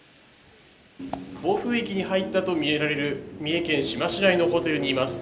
暴風域に入ったとみられる三重県志摩市内のホテルにいます。